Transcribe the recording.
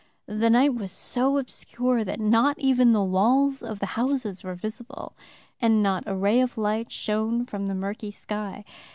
The night was so obscure that not even the walls of the houses were visible, and not a ray of light shone from the murky sky.